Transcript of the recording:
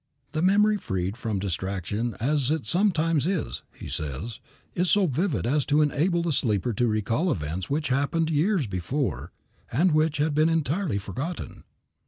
"The memory, freed from distraction as it sometimes is," he says, "is so vivid as to enable the sleeper to recall events which had happened years before and which had been entirely forgotten."